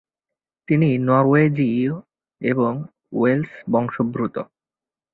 তিনি নরওয়েজীয় এবং ওয়েলশ বংশোদ্ভূত।